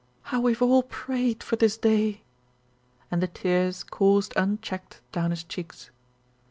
"How we've all prayed for this day," and the tears coursed un checked down his cheeks.